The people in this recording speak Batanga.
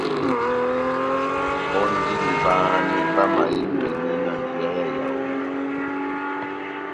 Bɔ́ndini bahanɛ bamahembɛnɛ na njeya yá Yawondɛ.